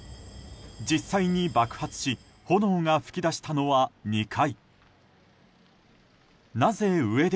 実際に爆発し炎が噴き出したのは２階。